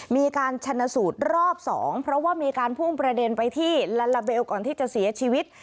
มีการชนะสูตรรอบ๒เพราะว่ามีการพุ่งประเด็นไปที่ลาลาเบลก่อนที่จะเสียชีวิต